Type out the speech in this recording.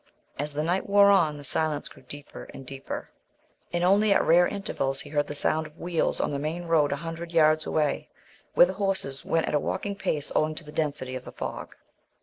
As the night wore on the silence grew deeper and deeper, and only at rare intervals he heard the sound of wheels on the main road a hundred yards away, where the horses went at a walking pace owing to the density of the fog.